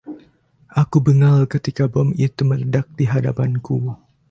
Aku bengal ketika bom itu meledak di hadapanku.